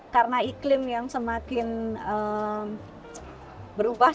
karena iklim yang semakin berubah